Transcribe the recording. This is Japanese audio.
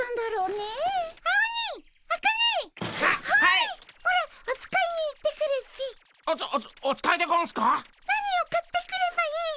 何を買ってくればいいっピ？